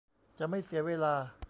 จะไม่เสียเวลา